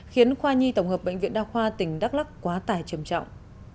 khiến khoa nhi tổng hợp bệnh viện đa khoa tỉnh đắk lắc quá tải trầm trọng